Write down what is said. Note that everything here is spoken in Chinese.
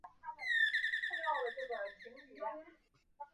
石蛾幼虫在淡水栖息地的所有饲养行会都可以被找到。